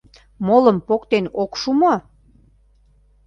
Молым поктен ок шу мо?